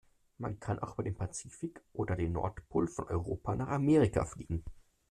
Man kann auch über den Pazifik oder den Nordpol von Europa nach Amerika fliegen.